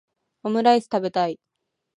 オムライス食べたい